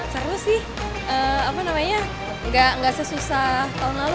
seru sih apa namanya nggak sesusah tahun lalu